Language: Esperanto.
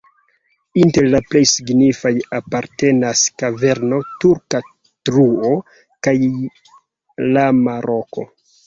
Inter la plej signifaj apartenas kaverno Turka truo kaj Lama Roko.